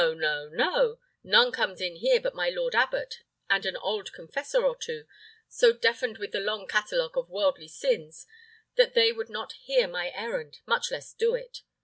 none comes in here but my lord abbot and an old confessor or two, so deafened with the long catalogue of worldly sins that they would not hear my errand, much less do it.